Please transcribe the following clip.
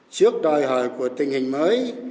trước đòi hỏi của tình hình mới